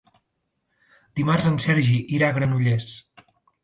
Dimarts en Sergi irà a Granollers.